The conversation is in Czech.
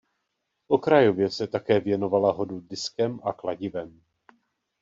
Okrajově se také věnovala hodu diskem a kladivem.